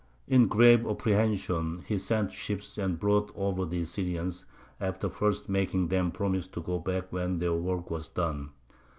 In grave apprehension, he sent ships and brought over the Syrians, after first making them promise to go back when their work was done.